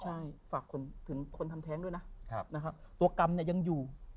ใช่ฝากถึงคนทำแท้งด้วยนะตัวกรรมเนี่ยยังอยู่